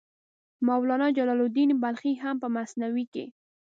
مولانا جلال الدین بلخي هم په مثنوي کې.